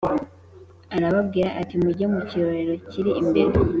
arababwira ati “Mujye mu kirorero kiri imbere